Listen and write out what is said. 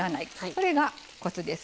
それがコツです。